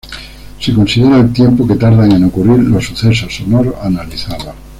Se considera el tiempo que tardan en ocurrir los sucesos sonoros analizados.